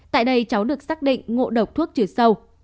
tại đây cháu được xác định ngộ độc thuốc trừ sâu